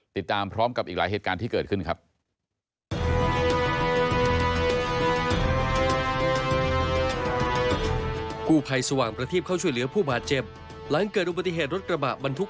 ติดตามพร้อมกับอีกหลายเหตุการณ์ที่เกิดขึ้นครับ